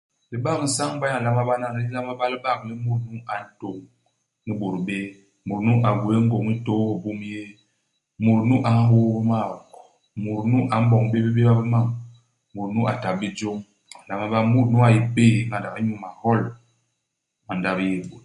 Libak nsañ-mbay a nlama bana li nlama ba libak li mut nu a ntôñ ni bôt béé. Mut nu a gwéé ngôñ i tôôs bum yéé. Mut nu a nhôô bé maok. Mut nu a m'boñ bé bibéba bi mam. Mut nu a ta bé jôñ. A nlama ba mut nu a yé péé ngandak inyu mahol ma ndap yéé bôt.